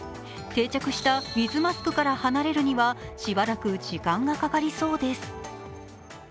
定着したウィズ・マスクから離れるにはしばらく時間がかかりそうです。